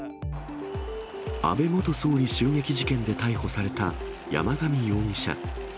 安倍元総理襲撃事件で逮捕された山上容疑者。